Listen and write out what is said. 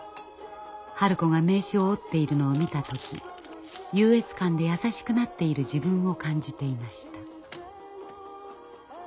春子が名刺を折っているのを見た時優越感で優しくなっている自分を感じていました。